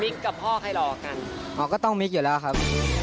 กับพ่อให้รอกันอ๋อก็ต้องมิกอยู่แล้วครับ